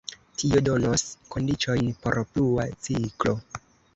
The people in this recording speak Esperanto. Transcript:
Tio donos kondiĉojn por plua ciklo.